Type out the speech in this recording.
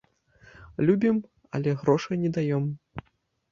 Любім, але грошай не даем.